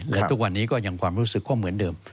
และทุกวันนี้ก็ยังความรู้สึกก็เหมือนเดิม